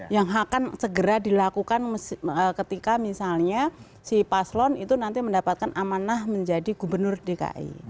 yang akan segera dilakukan ketika misalnya si paslon itu nanti mendapatkan amanah menjadi gubernur dki